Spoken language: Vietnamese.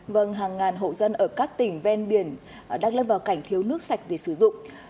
vâng hàng ngàn hộ dân ở các tỉnh ven biển đang lâm vào cảnh thiếu nước sạch để sử dụng